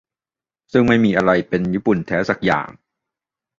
ซึ่งไม่มีอะไรเป็น "ญี่ปุ่นแท้" สักอย่าง